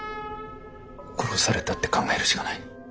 殺されたって考えるしかない。